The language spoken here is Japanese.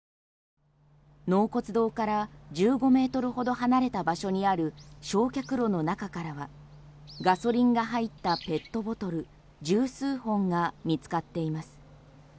納骨堂から１５ｍほど離れた場所にある焼却炉の中からはガソリンが入ったペットボトル１０数本が見つかっています。